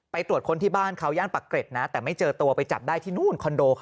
ตรวจค้นที่บ้านเขาย่านปักเกร็ดนะแต่ไม่เจอตัวไปจับได้ที่นู่นคอนโด